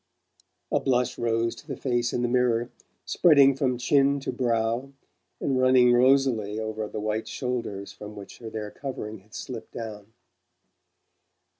A blush rose to the face in the mirror, spreading from chin to brow, and running rosily over the white shoulders from which their covering had slipped down.